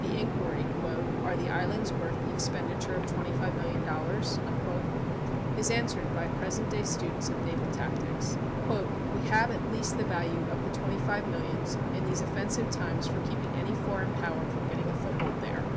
The inquiry, "Are the islands worth the expenditure of $25,000,000?", is answered by present day students of naval tactics. "We have at least the value of the twenty five millions in these offensive times in keeping any foreign power from getting a foothold there.